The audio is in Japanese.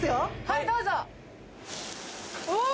はいどうぞうわ！